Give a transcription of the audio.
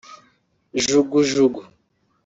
“Jugu Jugu”